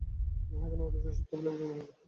ইহা এখন ঐতিহাসিক সত্য বলিয়া প্রতিপন্ন হইয়াছে।